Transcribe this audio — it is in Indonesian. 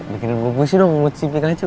bikin buku puisi dong ngelut si pikachu